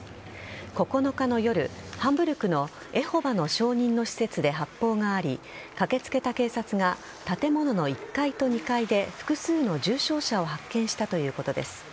９日の夜ハンブルクのエホバの証人の施設で発砲があり駆けつけた警察が建物の１階と２階で複数の重傷者を発見したということです。